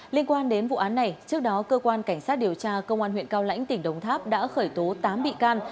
liên quan đến vụ án này trước đó cơ quan cảnh sát điều tra công an huyện cao lãnh tỉnh đồng tháp đã khởi tố tám bị can